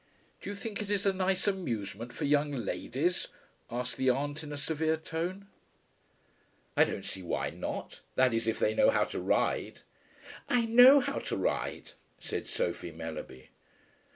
"Do you think it is a nice amusement for young ladies?" asked the aunt in a severe tone. "I don't see why not; that is if they know how to ride." "I know how to ride," said Sophie Mellerby.